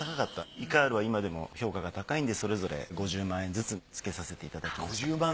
イカールは今でも評価が高いのでそれぞれ５０万円ずつつけさせていただきました。